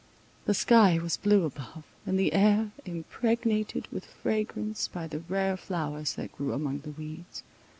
The sky was blue above, and the air impregnated with fragrance by the rare flowers that grew among the weeds.